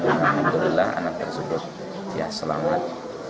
namun namun allah anak tersebut ya selamat